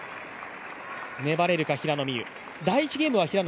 粘れるか、平野美宇。